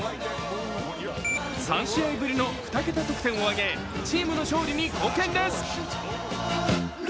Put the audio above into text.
３試合ぶりの２桁得点を挙げチームの勝利に貢献です。